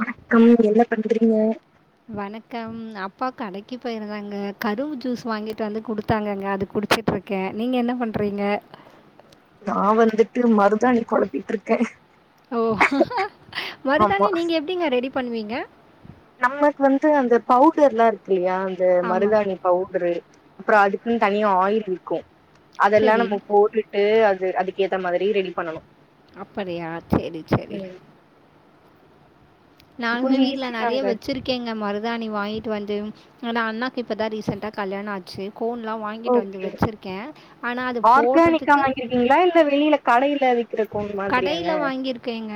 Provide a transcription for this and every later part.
வணக்கம் என்ன பண்றீங்க வணக்கம் அப்பா கடைக்கு போயிருந்தாங்க கரும்பு ஜூஸ் வாங்கிட்டு வந்து குடுத்தாங்கங்க அது குடிச்சிட்டு இருக் கே நீங்க என்ன பண்றீங்க நா வந்துட்டு மருதாணி கொழப்பிட்டு இருக்கே ஓ மருதாணி நீங்க எப்டிங்க ரெடி பண்ணுவீங்க நம்மக்கு வந்து அந்த பவுடர்லா இருக்குல்லையா அந்த ஆமா. மருதாணி பௌட்ரு அப்றொ அதுக்குன்னு தனியா ஆயில் இருக்கு அதெல்லா சரி. நம்ம போட்டுட் டு அது அதுக்கேத்த மாதிரி ரெடி பண்ணணு அப்படியா சேரி சேரி ம் இது நாங்க கொஞ்சோ வீட்டுல ஈஸி நெறைய தாங்க வச்சிரு கேங்க மருதாணி வாய்ன்டு வந்து அ னா அண்ணாக்கு இப்ப தா ரீசெண்ட்டா கல்யாண ஆச்சு கோன்லா வாங்கிட்டு வந்து ஓகே வச்சிருக்கே ஆர்கானிக்கா வாங்கிருக்கீங்ளா இல்ல வெளில கடையிலா விக்குற கோன் மாதிரியாங்க கேங்க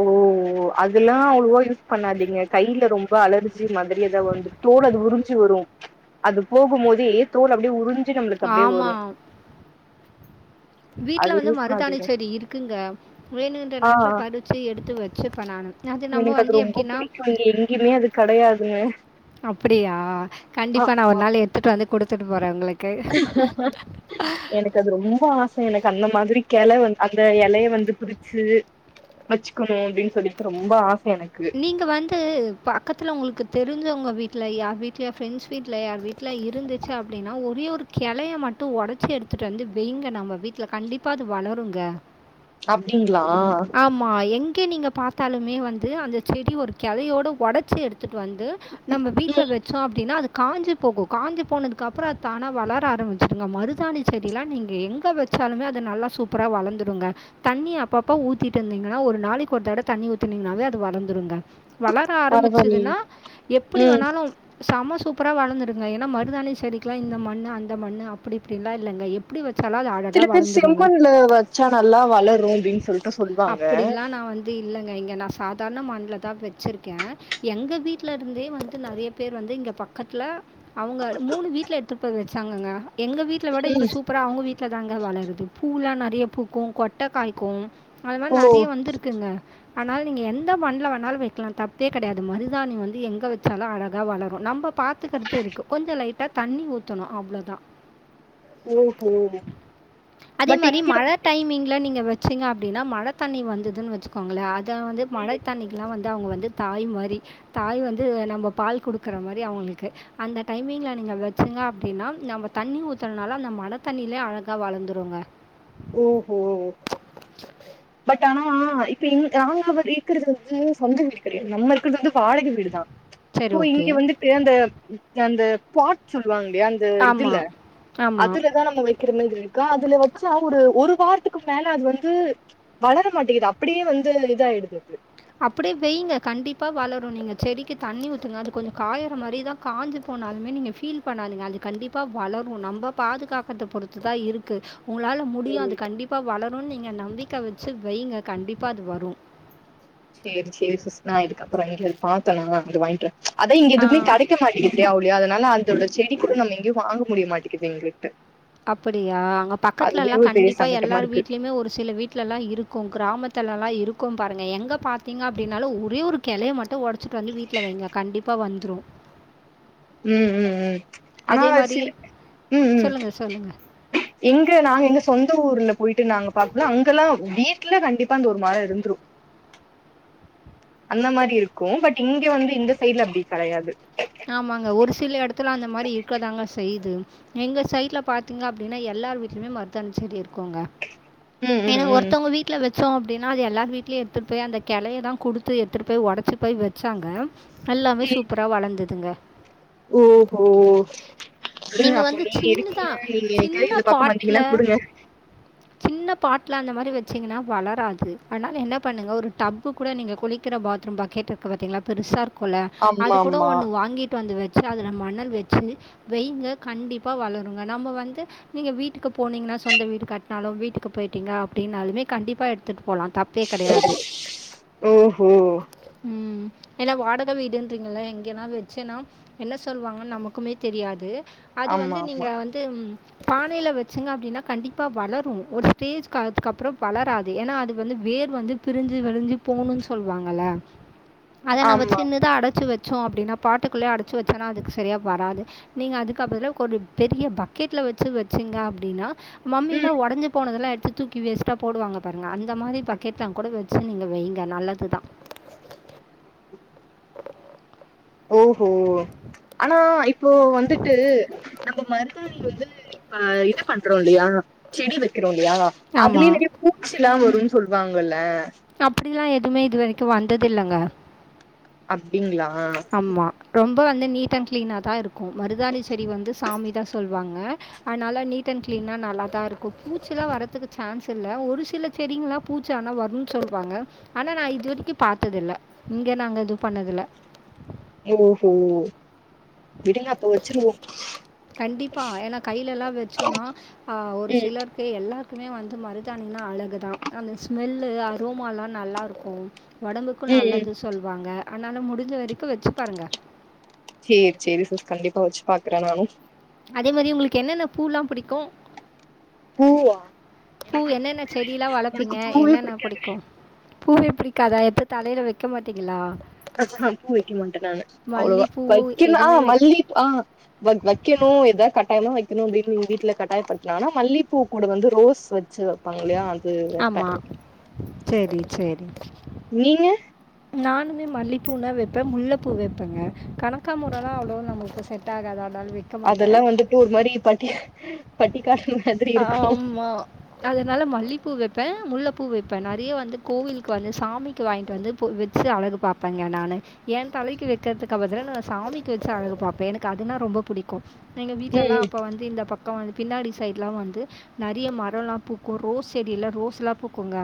ஓ ஓ அதுெல்லா அவ்ளுவா யூஸ் பண்ணாதீங்க கையில ரொம்ப அலர்ஜி மாதிரி எதோ வந்து தோலு அது உறிஞ்சி வரு அது போகும்போதே தோல் அப்டியே உறிஞ்சு நம்மளுக்கு அப்டியே ஆமா. வரு வீட்ல அது வந்து யூஸ் பண்ணாதீங்க மருதாணிச்செடி இருக்குங்க வேணுன்ற ஆ நாட்ல பறிச்சு எடுத்து வச்சு பண்ணானும் அது நம்ம எனக்கு வந்து ரொம்ப எப்டின்னா பிடிக்கு இங்க எங்கயுமே அது கடையாதுங்க அப்டியா கண்டிப்பா நா ஒரு நாள் எடுத்துட்டு வந்து குடுத்துட்டு போறே உங்களுக் கு கது ரொம்ப ஆச எனக்கு அந்த மாதிரி கெள வந் அந்த எலய வந்து பிரிச்சு வச்சுக்கணு அப்டின் சொல்லிட்டு ரொம்ப ஆச எனக்கு நீங்க வந்து பக்கத்துல உங்களுக்கு தெரிஞ்சவுங்க வீட்ல யார் வீட்லயோ ஃபிரண்ட்ஸ் விட்ல யார் வீட் ல இருந்துச்சு அப்டின்னா ஒரே ஒரு கெளய மட்டு ஒடச்சு எடுத்துட்டு வந்து வெய்ங்க நம்ம வீட்ல கண்டிப் பா அது வளருங்க அப்டிங்ளா ஆமா எங்க நீங்க பாத்தாலுமே வந்து அந்த செடி ஒரு கெளையோட ஒடச்சி எடுத்துட்டு வந் து நம்ம வீட்ல ம். வெச் வச்சோ அப்டின்னா அது காஞ்சி போகு காஞ்சி போனதுக்கு அப்புறொ அத் தானா வளர ஆரம்பிச்சிருங்க மருதாணிச் செடிலா நீங்க எங்க வெச்சாலுமே அது நல்லா சூப்பரா வளந்துடுங்க தண்ணி அப்பப் ப ஊத்திட்டு இருந்தீங்கன்னா ஒரு நாளைக்கு ஒரு தடவ தண்ணி ஊத்தனீங்னாவே அது வளந்துருங்க வளர் ர பரவாயில்லயே ஆரம்பிச்சதுன்னா எப்பிடி ம் வேணாலும் செம சூப்பரா வளந்துருங்க ஏன்னா மருதாணிச் செடிக்லா இந்த மண்ணு அந்த மண்ணு அப்டி இப்டிலா இல்லங்க எப் எப்புடி வச்சாலு அது அழகா வளந்துருங்க ச்சா நல்லா வளரு அப்டின் சொல் அப்டில்லா நா வந்து இல்லங்க இங்க நா சாதாரன மண்லதா வெச்சிருக்கே எங்க வீட்ல இருந்தே வந்துட்டு நறைய பேர் வந்து இங்க பக்கத்ல அவுங்க மூணு வீட்ல எடுத்துட் போய் வெச்சாங்கங்க எங்க வீட் ல விட இப்ப சூப்பரா அவுங்க வீட்ல தாங்க வளருது பூலா நறைய பூக்கு கொட்ட காய்க்கூ அது மாரி ஓ நறைய வந்திருக்குங்க ஆனால் நீங்க எந்த மண்ல வேணாலு வெக்லா தப்பே கெடையாது மருதாணி வந்து எங்க வெச்சாலு அழகா வளரு நம்ப பாத்துக்கறது இருக்கு கொஞ்சோ லைட்டா தண்ணி ஊத்தணு அவ்ளோதா ஓஹோ அதே பட் மாரி இங்க மழ வந்துட்டு டைமிங்ல நீங்க வெச் சிங்க அப்டின்னா மழ தண்ணி வந்துதுன் வச்சுக்கோங்கள அத வந்து மழை ம் தண்ணி லா வந்து அவுங்க வந்து தாய் மாரி தாய் வந்து நம்ப பால் குடுக்குற மாரி அவுங்களுக்கு அந்த டைமிங்ல நீங்க வச்சுங்க அப்டின்னா நம்ம தண்ணி ஊத்தறனால அந்த மழ தண்ணிலே அழகா வளந்துருங்க ஓஹோ பட் ஆனா இப்ப இங் நாங்க அவர் இருக்குறது வந்து சொந்த வீடு கெடையாது நம்ம இருக்கிறது வந்து வாடக வீடு தா சரி ப்போ ஓகே இங்க வந்துட்டு அந்த அந்த பாட் சொல்லுவாங்கல்லையா அ இது இதுல்ல ஆமாம் ஆமாம் அதுலதா நம்ம வைக் கிற மாதிரி இருக்கு அதுல வச்சா ஒரு ஒரு வாரத்துக்கு மேல அது வந்து வளர மாட்டிங்குது அப்டியே வந்து இதாய்டுதுக்கு அப்டியே வெய்ங்க கண்டிப்பா வளரு நீங்க செடிக்கு தண்ணி ஊத்துங்க அது கொஞ்சோ காயற மாரிதா காஞ்சு போனாலுமே நீங்க ஃபீல் பண்ணாதிங்க அது கண்டிப்பா வளரு நம்ப பாதுகாக்கறத பொறுத்து தா இருக்கு உங்களால முடியு ம் அது கண்டிப்பா வளருன் நீங்க நம்பிக்க வச்சு வெய்ங்க கண்டிப்பா அது வரு சேரி சேரி சிஸ் நா இதுக்கப்பறோ எங்யாது பாத்தனா வந்து வாய்ங்க்கிறே அதா இங்க ஆ எதுமே கெடைக்க மாட்டிக்கி டே ஆவுல்லயா அதுனால அந்தோட செடி கூட நம்ம எங்கயு வாங்க முடிய மாட்டிக்குது எங்ளுக்கு அப்படியா அங்க பக்கத்லல்லா பெரிய கண்டிப்பா சங்கட்டமா எல்லார் இருக்கு வீட்லியுமே ஒரு சில வீட்லெல்லா இருக் கு கிராமத்துலல்லா இருக்கும் பாருங்க எங்க பாத்தீங்க அப்டின்னாலு ஒரே ஒரு கெளைய மட்டு ஒட ச்சிட்டு வந்து வீட்ல வைங்க கண்டிப்பா வந்துரு ம் ம் ம் ஆனா அதே ஒரு மாதிரி சில ம் ம் சொல்லுங்கள் சொல்லுங்கள் எங்க நாங்க எங்க சொந்த ஊர்ல போய்ட்டு நாங்க பாக்லா அங்கெல்லா ம் வீட்ல கண்டிப்பா அந்த ஒரு மரோ இருந்துரு அந்த மாரி இருக்கு பட் இங்க வந்து இந்த சைட்ல அப்டி கெடையாது ஆமாங்க ஒரு சில எடத்துல அந்த மாரி இருக்கதாங்க செய்து எங்க சைட்ல பாத்தீங்க அப்டின்னா எல்லார் வீட்லயுமே மர்தாணி செடி இரு க்குங்க ம் ம் ஏனா ம் ஒருத்தவ்ங்க வீ ட்ல வச்சோ அப்டின்னா அது எல்லார் வீட்லயு எடுத்துட் போய் அந்தக் கெளைய தா குடுத்து எடுத்துட்டு போய் ஒடச்சு போய் வெச்சாங்க நல்லாவே ம். சூப்பரா வளந்துதுங்க ஓஹோ விடுங்க அப்ப வந்து நீங்க இருக்கீங்க சின்னதா நீங்க என்னிக்காது சின்ன இந்த பக்கோ வந்தீங்கன்னா பாட்ல குடுங்க சின்ன பாட்ல அந்த மாரி வெச்சீங்கன்னா வளராது அதுனால என்ன பண்ணுங்க ஒரு டப்பு கூட நீங்க குளி க்கற பாத்ரூம் பக்கெட்ருக்கு பாத்தீங்களா பெருசா இரு குல்ல அது ஆமா கூட ஆமா ஒன்னு வாங்கீட் வந்து வெச்சு அதுல மணல் வெச்சு வெய்ங்க கண்டிப்பா வளருங்க நம்ம வந்து நீங்க வீட்டுக்கு போனீங்கனா சொந்த வீடு கட்னாலு வீட்டுக்கு போய்ட்டீங்க அப்டின்னாலுமே கண்டிப்பா எடுத்துட் போலா தப் பே கெடையாது ஓஹோ ம் ஏனா வாடக வீடுன்றீங்கல்ல எங்கனா வெச்சேன்னா என்ன சொல்வாங்கன் நமக்குமே தெரியாது அது வந்து ஆமா நீங்க ஆமா வந்து பானைல வெச்சீங்க அப்டின்னா கண்டிப்பா வளரு ஒரு ஸ்டேஜ் க அதுக்கப்பறோ வளராது ஏன்னா அது வந்து வேர் வந்து பிரிஞ்சு விரிஞ்சு போணுன் சொல்வாங்கல்ல அத நம்ம ஆமா சின்னதா அடச்சு வெச்சோ அப்டின்னா பாட்டுக்குள்ளயே அடச்சு வெச்சோன்னா அதுக்கு செரியா வராது நீங்க அதுக்கா பதுலா கொஞ்சம் பெரிய பக்கெட்ல வெச்சு வெச்சீங்க அப்டின்னா மம்மில்லா ம் ஒடஞ்சு போனதெல்லா எடுத்து தூக்கி வேஸ்ட்டா போடுவாங்க பாருங்க அந்த மாரி பக்கெட்லா கூட வெச்சு நீங்க வெய்ங்க நல்லது தா ஓஹோ ஆனா இப் போ வந்துட்டு நம்ம மருதாணி வந்து இப்ப இது பண்றோ இல்லியா செடி வெக்கிறோ இல்லியா ஆமா. அதுலயே நெறையா பூச்சில்லா வருன் சொல்வாங்கல்ல அப்டில்லா எதுமே இது வரைக்கு வந்ததில்லங்க அப்டிங்ளா அம்மா ரொம்ப வந்து நீட் அண்ட் கிளீனா தா இருக்கு மருதாணி செடி வந்து சாமி தா சொல்வாங்க அதனால நீட் அண்ட் கிளீனா நல்லாதா இருக்கு பூச்சில்லா வரத்துக்கு சான்ஸ் இல்ல ஒரு சில செடிங்லா பூச்சி ஆனா வருன் சொல்வாங்க ஆனா நா இது வரிக்கு பாத்ததில்ல இங்க நாங்க எது பண்ணதில்ல ஓஹோ விடுங்க அப்ப வெச்சிருவோ கண்டிப்பா ஏன்னா கையிலலா வச்சோம்னா ஆ ஒரு ம் சிலர் இப்ப எல்லாருக்குமே வந்து மருதாணினா அழகுதா அந்த ஸ்மெல்லு அரோமாலா நல்லா இருக்கும் உடம்புக்கும் ம் ம் நல்லது சொல்லுவாங்க அதனால முடிஞ்ச வரைக்கு வெச்சு பாருங்க சேரி சேரி சிஸ் கண்டிப்பா வெச்சு பாக்கற நானு அதே மேரி உங்களுக்கு என்னென்ன பூலா பிடிக்கும் பூவ்வா பூ என்னென்ன செடில்லா வளப்பீங்க பூவே என்னென்ன பிடிக்காது புடிக்கும் பூவே பிடிக்காதா எப்டி தலையில வெக்க மாட்டீங்களா அஹ ஆ பூ வெக்கமாட்ட‌ நானு அவ்ளோவா மல்லிகைப்பூ வைக்கலா எதுவுமே வைக்க மல்லிப்பூ ஆஹ் வைக்கணு ஏதாது கட்டாயம்னா வெக்கணு வீட்டு வீட்டுல கட்டாயப்படுத்தனாங்கன்னா மல்லிப்பூ கூட வந்து ரோஸ் வச்சு பங்களையா அது வெப்ப ஆமாம் சரி சரி நீங்க நானுமே மல்லிப்பூன்னா வெப்ப முல்லப்பூ வைப்பபேங்க கணக்காமூரல்லா அவ்வளவா நமக்கு செட் ஆகாது அதால வெ அதெல்லா வந்து‌ டூ ஒரு மாரி பட்டி அ பட்டிக்காடு மாதிரி இருக்கு ஆம்மா அதனால மல்லிப்பூ வெப்ப முல்லப்பூ வெப்ப நெறைய வந்து கோவிலுக்கு வந்து சாமிக்கு வாங்கிட்டு வந்து பூ வெச் வெச்சு அழகு பாப்பங்க நானு எய தலைக்கு வெக்கறதுக்கு பதில நா சாமிக்கு வெச்சு அழகு பாப்ப எனக்கு அதுனா ரொம்ப புடிக்கும் எங்க ம் வீட்டுலல்லா ம் அப்ப வந்து இந்த பக்க வந்து பின்னாடி சைட் லா வந்து நெறைய மரம்லா பூக்கும் ரோஸ் செடியில ரோஸ்லா பூக்குங்க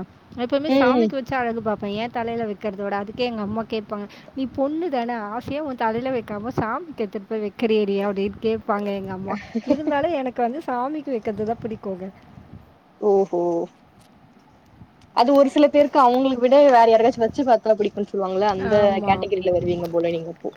எப்பவுமே ம் ம் சாமிக்கு வச்சு அழகு பாப்ப எய தலைல வெக்கறத விட அதுக்கே எங்க அம்மா கேபாங்க நீ பொண்ணு தான ஆசையா உ தலையில வெக்காம சாமிக்கு எத்துட்டு போய் வெக்கிறியேடி அப்டின்னு கேட்பாங்க எங்க அம் மா இருந்தாலு எனக்கு வந்து சாமிக்கு வெக்கறதுதா பிடிக்கோங்க ஓ ஹோ அது ஒரு சில பேருக்கு அவுங்களுக்கு விட வேற யாருக்காச்சு வெச்சு பாத்தா பிடிக்கும் சொல்லுவாங்கள அந்த ஆமாம் கேட்டகிரில வருவீங்க போல நீங்க அப்போ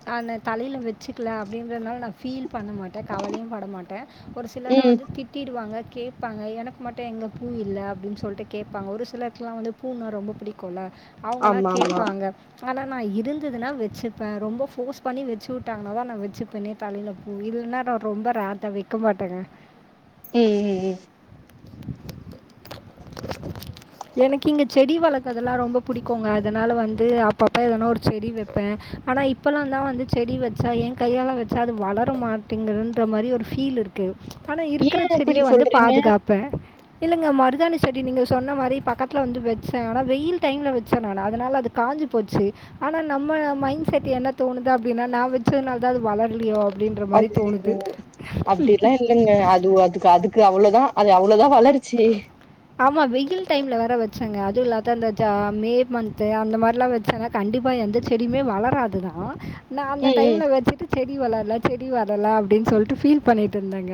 நானு தலையில வெச்சுக்கல அப்டின்றதுனால நா ஃபீல் பண்ணமாட்ட கவலையும் பட மாட்ட ஒரு சிலர்லா ம் வந்து ஃபீல் குட்டிடுவாங்க கேப்பாங்க எனக்கு மட்டும் எங்க பூ இல்ல அப்டின்னு சொல்ட்டு கேப்பாங்க ஒரு சிலருக்குலா வந்து பூன்னா ரொம்ப பிடிக்கு ல அவங்கலா ஆமா ஆமா கேப்பாங்க ஆனா நா இருந்ததுன்னா வெச்சுப்ப ரொம்ப ஃபோர்ஸ் பண்ணி வெச்சு விட்டாங்கன்னா தா நா வெச்சுப்பனே தலையில பூ இல்லனா நா ரொம்ப ரேர் தா வெக்க மாட்டங்க ம்ம் ம்ம் ம்ம் எனக்கு இங்க செடி வளர்க்கறதெல்லா ரொம்ப புடிக்கும்ங்க அதனால வந்து அப்பப்ப எதனா ஒரு செடி வெப்ப ஆனா இப்பலா தா வந்து செடி வெச்சா எய கையால வெச்சா அது வளர மாட்டிங்குதுன்ற‌ மாரி ஒரு ஃபீல் இருக்கு ஆனா ஏ இருக்குற அப்டி செடிய வந்து சொல்றீங்க பாதுகாப்ப இல்லங்க மருதாணி சரி நீங்க சொன்ன மாறி பக்கத்தில வந்து வச்ச ஆனா வெயில் டைம்ல வச்ச நா அதனால அது காஞ்சு போச்சு ஆனா நம்ம மைண்ட் செட் என்ன தோணுது அப்டின்னா நா வெச்சதுனால தா அது வளர்லயோ அ அப்டின்ற மாறி தோணுது அய்யய்யோ அப்டிலா ம்ம்ம் இல்லங்க அது அதுக்கு அதுக்கு அவ்வளோதா அது அவ்வளோதா வளர்ச்சு ஆமா வெயில் டைம்ல வேற வச்சாங்க அதுவு இல்லாத அந்த மே மந்த்த் அந்த மாரில்லா வச்சாங்க கண்டிப்பா எந்த செடியுமே வளராதுதா நா அந்த ம் ம் டைமில்ல வச்சுட்டு செடி வளரல செடி வளரல அப்டின்னு சொல்லிட்டு ஃபீல் பண்ணிகிட்டு இருந்தங்க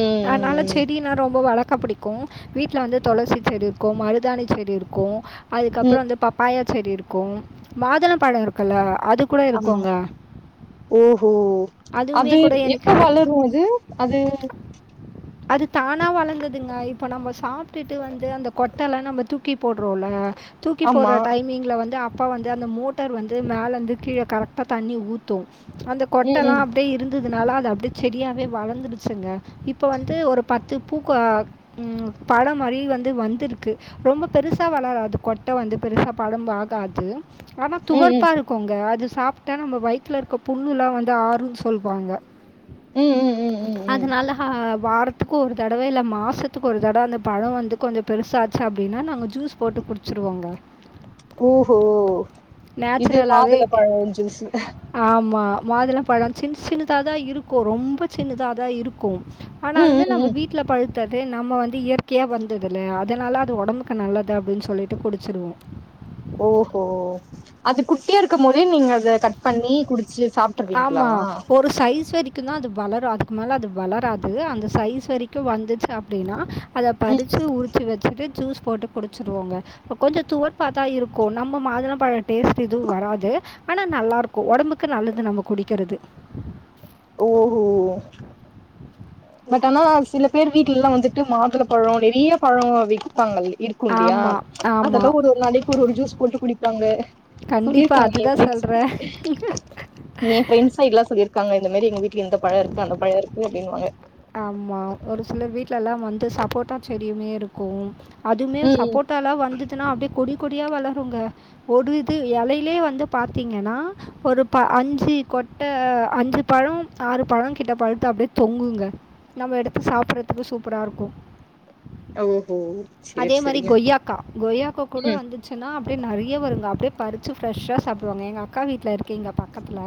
ம் அதனால ம் ம் செடினா ரொம்ப வளர்க்க பிடிக்கும் இருக்கும் வீட்டில வந்து துளசி செடி இருக்கும் மருதாணி செடி இருக்கும் அதுக்கப்பற ம் வந்து பப்பாய சேரி இருக்கு மாதுள பழோ இருக்குல்ல அது கூட ஆமா இருக்குங்க. ஓஹோ அதுவுமே அது கூட எப்ப எனக்கு வளரு அது அது அது தானா வளர்ந்ததுங்க இப்ப நம்ம சாப்ட்டுட்டு வந்து அந்த கொட்டல்லா நம்ம தூக்கி போட்றோ ல தூக்கி ஆமா போற டைமிங்ல வந்து அ ப்ப வந்து அந்த மோட்டர் வந்து மேலந்து கீழ கரெக்டா தண்ணி ஊத்து அந்த ம் ம் கொட்டல்லா அப்டியே இரு ந்ததுனால அது அப்டியே செடியாவே வளர்ந்துருச்சுங்க இப்ப வந்து ஒரு பத்து பூக்க ம் படம் மாரி வந்து வந்திருக்கு ரொம்ப பெருசா வளராது கொட்ட வந்து பெருசா படம்பாகாது ஆனா ம் ம் துவர்ப்பாரு க்குங்க அது சாப்ட்டா நம்ம வய்த்துல இருக்க புண்ணுல்லா வந்து ஆறுன் சொல்வாங்க ம் ம் ம் ம் ம் அதனால ஆ வாரத்துக்கு ஒரு தடவ இல்ல மாசத்துக்கு ஒரு தடவ அந்த பழோ வந்து கொஞ்சோ பெருசாச்சு அப்டின்னா நாங்க ஜூஸ் போட்டு குட் ச்சுருவோங்க ஓஹோ இது மாதுள பழோ ஜூஸு ஆமா மாதுள பழோ சின் சின்னதா தா இருக்கு ரொம்ப சின்னதா தா இருக்கு ம் ஆனாலுமே நம்ம ம் வீ ட்ல பழுத்தது நம்ம வந்து இயற்கையா வந்ததுல்ல அதனால அது ஒடம்புக்கு நல்லது அப்டின் சொல்லிட்டு குடிச்சிடுவோ ஓஹோ அது குட்டியாருக்கம்போதே நீங்க அத கட் பண்ணி குடிச்சு சாப்ட்ருவீங்களா ஆமா. ஒரு சைஸ் வரி க்கு தா அது வளரு அதுக்கு மேல அது வளராது அந்த சைஸ் வரைக்கு வந்துச்சு அப்டின்னா அத ம் பறிச்சு உரிச்சு வச்சுட்டு ஜூஸ் போட்டு குடிச்சுருவோங்க ப்ப கொஞ்சோ துவர்ப்பாதா இருக்கு நம்ம மாதுளபழோ டேஸ்ட் எதுவு வராது ஆனா நல்லாருக்கு ஒடம்புக்கு நல்லது நம்ம குடிக்கிறது ஓஹோ இல்ல பட் ஆனா சில பேர் வீட்லலா வந்துட்டு மாதுள பழோ நெறியா பழோ வெப்பாங்க இரு க்கு இல்லயா ஆமா, ஆமா. அதெல்லா ஒரு ஒரு நாளைக்கு ஒரு ஒரு ஜூஸ் போட்டு குடிப்பாங்க கண்டிப்பா. சொல்லிருக்காங்க எ அதுதான் சொல்றேன். ஃப்ரெண்ட்ஸ்ஸுங்க எ ஃப்ரெண்ட்ஸ் சைட்லா சொல்லிருக்காங்க இந்த மாதிரி எங்க வீட்ல இந்த பழோருக்கு அந்த பழோருக்கு அப்டினுவாங்க ஆமா ஒரு சிலர் வீட்லல்லா வந்து சப்போட்டா செடியுமே இருக்கு அதுமே ம் சப்போட் டாலா வந்ததுன்னா அப்டியே கொடி கொடியா வளருங்க ஒடு இது எலைலே வந்து பாத்தீங்கன்னா ஒரு ப அஞ்சு கொட்ட அஞ்சு பழோம் ஆறு பழோம் கிட்ட பழுத்து அப்டியே தொங்குங்க நம்ம எடுத்து சாப்பறதுக்கு சூப்பராருக்கு ஓ ஹோ அதே மாரி கொய்யாக்கா கொய்யாக்கா கூட ம் வந்து ச்சுன்னா அப்டியே நறைய வருங்க அப்டியே பறிச்சு ஃப்ரெஷ்ஷா சாப்டுவாங்க எங்க அக்கா வீட்ல இருக்கு இங்க பக்கத்துல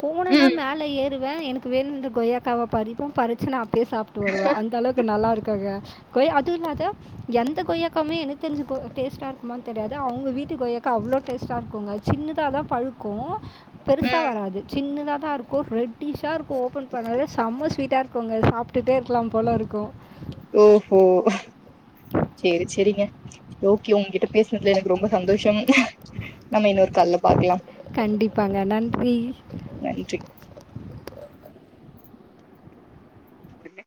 போனேன்னா ம் மேல ஏறுவே எனக்கு வேணுன்ற கொய்யாக்காவ பறிப்பே பறிச்சு நா ப்பயே சாப்ட்டு வருவ அந்தளவுக்கு நல்லாருக்குங்க கொய்யா அதுவுல்லாத எந்த கொய்யாகாவ்மே எனக்கு தெரிஞ்சு கொ டேஸ்டாருக்குமான் தெரியாது அவுங்க வீட்டு கொய்யாக்கா அவ்ளோ டேஸ்ட்டாருக்குங்க சின்னதா தா பழுக்கு பெருசா ம் வராது சின்னதா தா இருக்கு ரெட்டிஷ்ஷாருக்கு ஓபன் பண்ணாவே செம்ம ஸ்வீட்டாரு க்குங்க சாப்ட்டுட்டே இருக்கலா போல இருக்கு ஓஹோ சேரி சேரிங்க ஓகே ஒங்க உங்கிட்ட பேசுனதுல எனக்கு ரொம்ப சந்தோஷம் நம்ம இன்னொரு கால்ல பாக்கலாம் கண்டிப்பாங்க நன்றி நன்றி நா பண்ணே